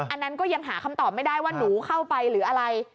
อันนั้นก็ยังหาคำตอบไม่ได้ว่าหนูเข้าไปหรืออะไร